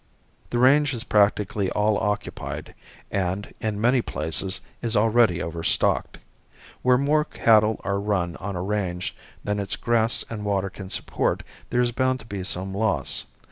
The range is practically all occupied and, in many places, is already over stocked. Where more cattle are run on a range than its grass and water can support there is bound to be some loss.